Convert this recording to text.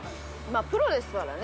プロですからね。